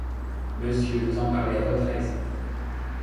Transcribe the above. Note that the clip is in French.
Monsieur, vous en parlez à votre aise.